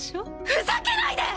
ふざけないで！